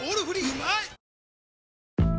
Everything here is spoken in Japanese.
うまい！